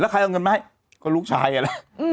ก็ลูกชายอะแหละ